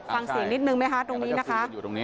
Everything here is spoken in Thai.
ฟังเสียงนิดหนึ่งมั้ยฮะตรงนี้นะคะ